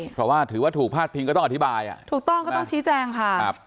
เพราะว่าถือว่าถูกพาดพิงก็ต้องอธิบายอ่ะถูกต้องก็ต้องชี้แจงค่ะครับ